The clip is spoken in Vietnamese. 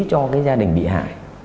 cho cái gia đình bị hại